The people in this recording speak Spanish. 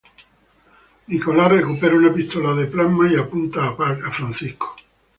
Nix recupera una pistola de plasma y apunta a Frank.